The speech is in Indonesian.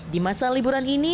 di masa liburan ini